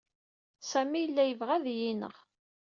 Sami yella yebɣa ad iyi-ineɣ.